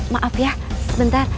maaf ya sebentar